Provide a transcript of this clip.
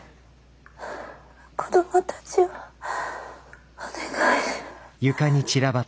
子どもたちをお願い。